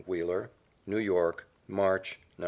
WHEELER. NEW YORK, March, 1912.